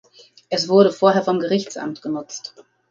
Es wurde vorher vom Gerichtsamt genutzt.